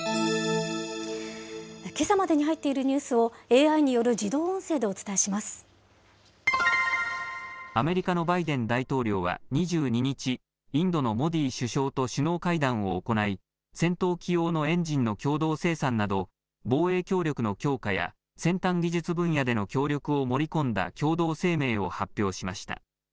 けさまでに入っているニュースを、ＡＩによる自動音声でお伝えしまアメリカのバイデン大統領は２２日、インドのモディ首相と首脳会談を行い、戦闘機用のエンジンの共同生産など、防衛協力の強化や先端技術分野での協力を盛り込んだ共同声明を発表しました。